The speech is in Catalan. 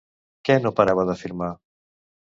Què no parava d'afirmar?